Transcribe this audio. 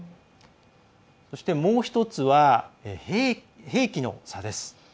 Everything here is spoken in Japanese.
そして、もう１つは兵器の差です。